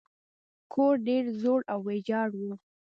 کور ډیر زوړ او ویجاړ و.